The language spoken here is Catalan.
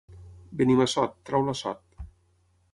Benimassot, trau l'assot.